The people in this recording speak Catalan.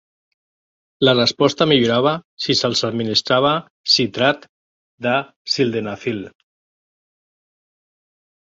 La resposta millorava si se'ls administrava citrat de sildenafil.